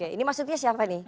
ini maksudnya siapa ini